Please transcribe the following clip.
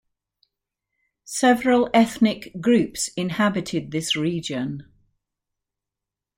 Several ethnic groups inhabited this region.